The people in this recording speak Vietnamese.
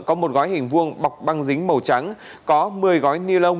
có một gói hình vuông bọc băng dính màu trắng có một mươi gói ni lông